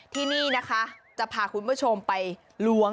ที่นี่นะคะจะพาคุณผู้ชมไปล้วง